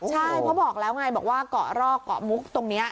ใช่เพราะบอกแล้วไงบอกว่าเกาะรอกเกาะมุกตรงนี้